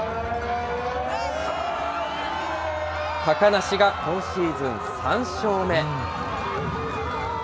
高梨が今シーズン３勝目。